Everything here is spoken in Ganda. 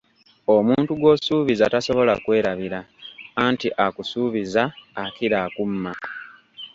Omuntu gw’osuubiza tasobala kwerabira, anti akusuubiza akira akumma.